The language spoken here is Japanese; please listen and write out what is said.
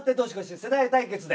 世代対決で。